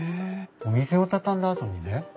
お店を畳んだあとにね